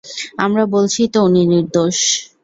আমরা বলছিই তো উনি নির্দোষ।